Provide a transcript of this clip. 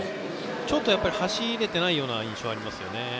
ちょっと走れていないような印象がありますよね。